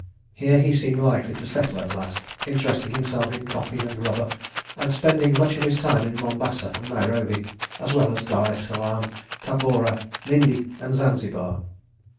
Here he seemed likely to settle at last, interesting himself in coffee and rubber, and spending much of his time in Mombasa and Nairobi, as well as in Dar es Salaam, Tabora, Lindi and Zanzibar.